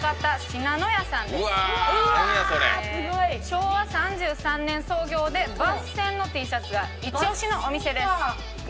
昭和３３年創業で抜染のＴシャツがイチオシのお店です。